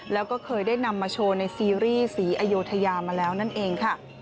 แล้วก็เคยได้นำมาโชว์ในซีรีส์ศรีอยุธยามาแล้วนั่นเองค่ะ